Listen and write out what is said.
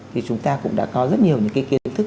thì chúng ta cũng đã có rất nhiều những cái kiến thức